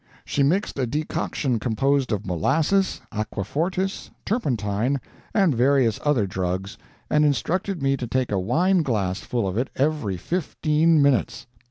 She mixed a decoction composed of molasses, aquafortis, turpentine, and various other drugs, and instructed me to take a wine glass full of it every fifteen minutes.